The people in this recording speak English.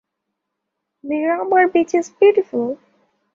Miramar beach is beautiful.